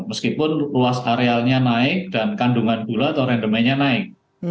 meskipun ruas arealnya naik dan kandungan gula atau randemennya naik